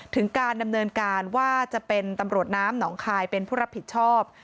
ถึงการดำเนินการว่าจะเป็นตำรวจน้ำหนองคายเป็นผู้รับผิดชอบ